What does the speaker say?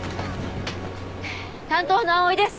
担当の蒼井です。